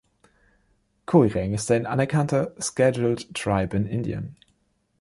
Koireng ist ein anerkannter Scheduled Tribe in Indien.